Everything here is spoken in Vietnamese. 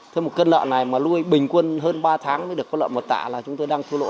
thế một cân lợn này mà nuôi bình quân hơn ba tháng mới được có lợn một tạ là chúng tôi đang thua lỗ